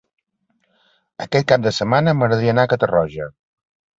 Aquest cap de setmana m'agradaria anar a Catarroja.